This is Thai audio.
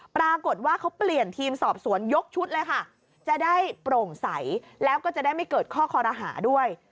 ปรากฏว่าเขาเปลี่ยนทีมสอบสวนยกชุดเลยค่ะจะได้โปร่งใสแล้วก็จะได้ไม่เกิดข้อคอรหาด้วย